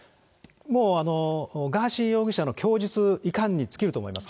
もうガーシー容疑者の供述いかんに尽きると思います。